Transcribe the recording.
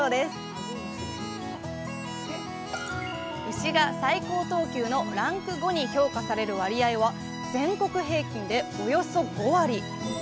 牛が最高等級のランク５に評価される割合は全国平均でおよそ５割。